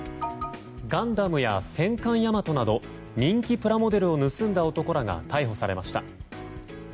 「ガンダム」や「戦艦ヤマト」など人気プラモデルを盗んだ男らが逮捕されました。